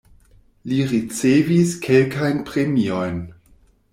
Li ricevis kelkajn premiojn.